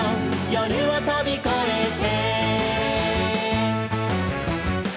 「夜をとびこえて」